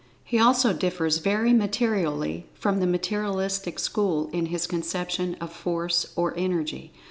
He also differs very materially from the Materialistic school in his conception of Force or Energy.